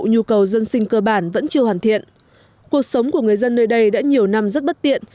nhu cầu dân sinh cơ bản vẫn chưa hoàn thiện cuộc sống của người dân nơi đây đã nhiều năm rất bất tiện